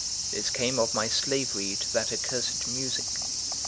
This came of my slavery to that accursed music.